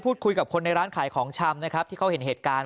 พูดคุยกับคนในร้านขายของชำนะครับที่เขาเห็นเหตุการณ์